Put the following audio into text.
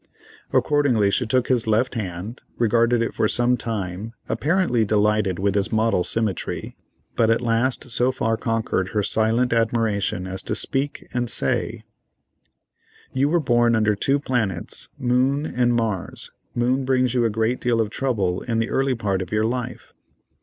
Accordingly she took his left hand, regarded it for some time, apparently delighted with its model symmetry, but at last so far conquered her silent admiration as to speak and say: "You were born under two planets, Moon and Mars, Moon brings you a great deal of trouble in the early part of your life.